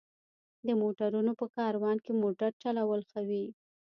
د موټرونو په کاروان کې موټر چلول ښه وي.